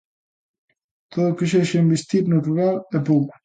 Todo o que sexa investir no rural é pouco.